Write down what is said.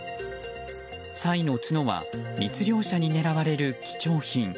サイの角は密猟者に狙われる貴重品。